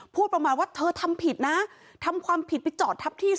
พูดประมาณว่าเธอทำผิดนะทำความผิดไปจอดทับที่